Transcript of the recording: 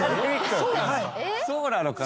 そうなのかな？